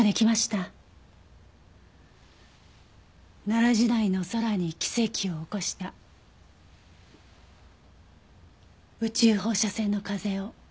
奈良時代の空に奇跡を起こした宇宙放射線の風を。